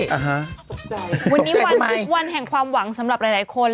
ตกใจตกใจทำไมวันนี้วันแห่งความหวังสำหรับหลายคน